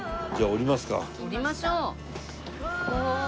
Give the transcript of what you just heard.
降りましょう。